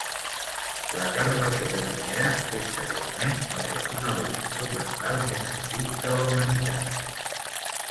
La carbassera vinera és segurament el ressonador instrumental més antic de la humanitat.